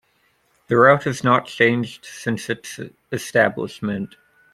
The route has not changed since its establishment.